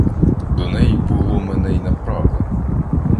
До неї було мене й направлено.